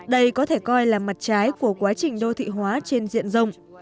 đây có thể coi là mặt trái của quá trình đô thị hóa trên diện rộng